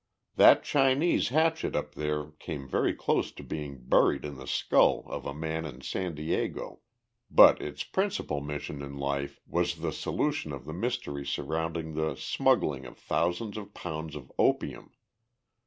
"That Chinese hatchet up there came very close to being buried in the skull of a man in San Diego, but its principal mission in life was the solution of the mystery surrounding the smuggling of thousands of pounds of opium.